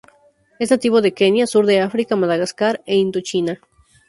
Es nativo de Kenia, Sur de África, Madagascar e Indochina.